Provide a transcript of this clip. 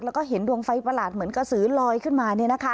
แล้วก็เห็นดวงไฟประหลาดเหมือนกระสือลอยขึ้นมา